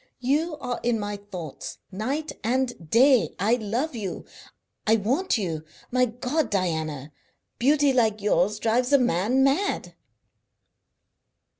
You are in my thoughts night and day. I love you; I want you. My God, Diana! Beauty like yours drives a man mad!"